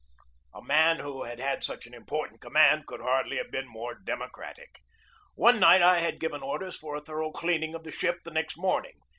A man who had such an important command could hardly have been more democratic. One night I had given orders for a thorough cleaning of the ship the next morning.